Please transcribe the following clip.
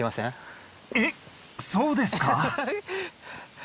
えっそうですか？